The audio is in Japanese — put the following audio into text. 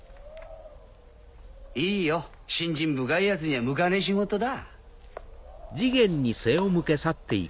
いいよ信心深い奴には向かねえ仕事だ。